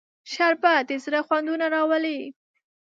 شربت د زړه خوندونه راولي